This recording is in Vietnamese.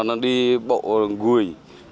nó đi bộ gùi